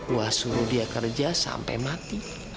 wah suruh dia kerja sampai mati